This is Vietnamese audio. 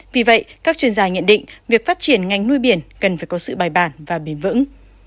vì vậy các chuyên gia nhận định việc phát triển ngành nuôi biển cần phải có sự bài bản và bền vững